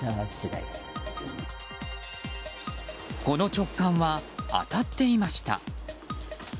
この直感は当たっていました。